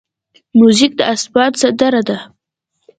موزیک د آسمان سندره ده.